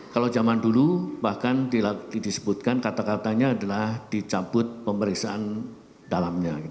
kalau zaman dulu bahkan disebutkan kata katanya adalah dicabut pemeriksaan dalamnya